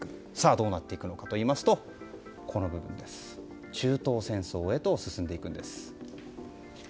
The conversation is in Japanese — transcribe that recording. どうなっていくのかといいますと中東戦争へと進んでいくんです。